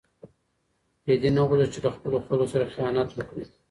رېدي نه غوښتل چې له خپلو خلکو سره خیانت وکړي.